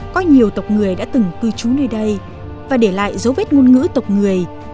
có nhiều tộc người đã từng cư trú nơi đây và để lại dấu vết ngôn ngữ tộc người